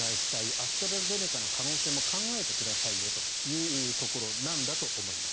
アストラゼネカの可能性も考えてくださいよというところなんだと思います。